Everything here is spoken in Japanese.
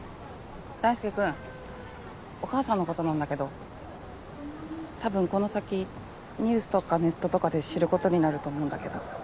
大輔君お母さんのことなんだけど多分この先ニュースとかネットとかで知ることになると思うんだけど。